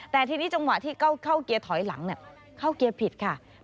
แต่ทีนี้จังหวะที่เข้าเกียร์ถอยหลังเข้าเกียร์ผิดค่ะ